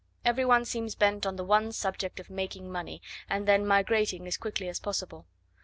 Every one seems bent on the one object of making money, and then migrating as quickly as possible.